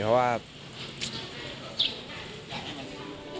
เพราะว่า